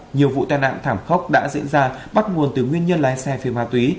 nhiều vụ tai nạn thảm khốc đã diễn ra bắt nguồn từ nguyên nhân lái xe phi ma túy